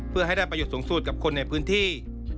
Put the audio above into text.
เพื่อให้ได้ประโยชน์สูงสุดกับคนในพื้นที่